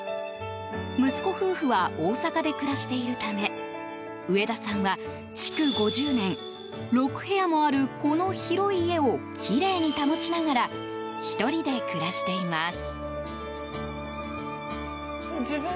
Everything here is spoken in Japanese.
息子夫婦は大阪で暮らしているため上田さんは築５０年、６部屋もあるこの広い家をきれいに保ちながら１人で暮らしています。